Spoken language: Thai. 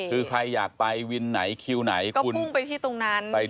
คือใครอยากไปวินไหนคิวไหนก็พุ่งไปที่ตรงนั้นที่บริษัทนั้น